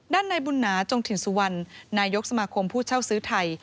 ในบุญหนาจงถิ่นสุวรรณนายกสมาคมผู้เช่าซื้อไทย